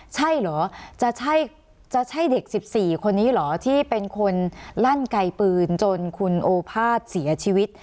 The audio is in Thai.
ใช่เหรอจะใช่เด็ก๑๔คนนี้เหรอที่เป็นคนลั่นไกลปืนจนคุณโอภาษเสียชีวิต